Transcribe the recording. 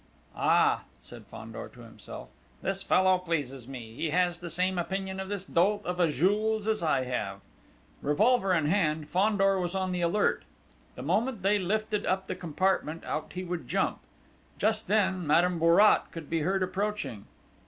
"Ah!" said Fandor to himself. "This fellow pleases me! He has the same opinion of this dolt of a Jules as I have!" Revolver in hand, Fandor was on the alert. The moment they lifted up the compartment out he would jump. Just then, Madame Bourrat could be heard approaching.